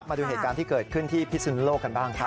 มาดูเหตุการณ์ที่เกิดขึ้นที่พิสุนโลกกันบ้างครับ